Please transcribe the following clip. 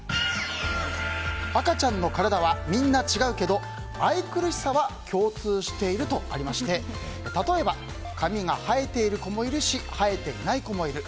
赤ちゃんの体はみんな違うけど愛くるしさは共通しているとありまして例えば髪が生えている子もいるし生えていない子もいる。